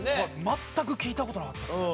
全く聞いた事なかったです。